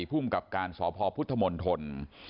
ทุ่มกับการสพพุทธมณฑล